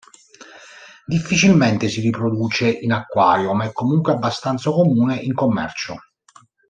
Difficilmente si riproduce in acquario, ma è comunque abbastanza comune in commercio.